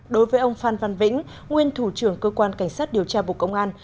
đối với ông phan văn vĩnh nguyên thủ trưởng cơ quan cảnh sát điều tra bộ công an